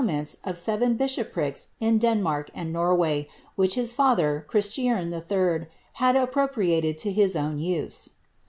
235 of seren bishoprics in Denmark and Norway, which his father, Christiern Ill f had appropriated to his own use.